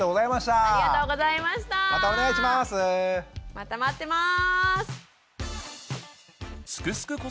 また待ってます！